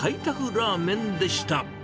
ラーメンでした。